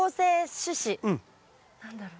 何だろう？